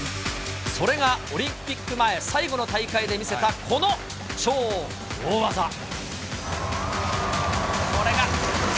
それがオリンピック前最後の大会で見せた、この超大技。